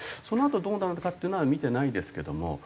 そのあとどうなるのかっていうのはみてないですけども。